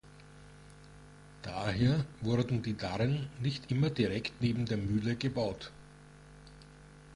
Daher wurden die Darren nicht immer direkt neben der Mühle gebaut.